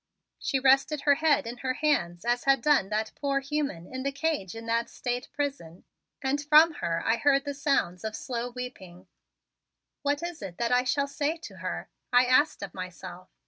She rested her head in her hands as had done that poor human in the cage in that State Prison and from her I heard the sounds of slow weeping. "What is it that I shall say to her?" I asked of myself.